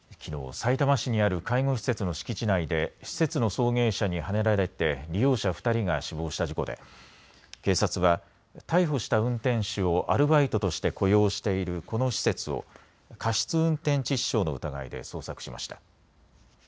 さいたま市にある介護施設の敷地内で施設の送迎車にはねられて利用者２人が死亡した事故で警察は逮捕した運転手をアルバイトとして雇用しているこの施設を過失運転致死傷の疑いで捜索しました。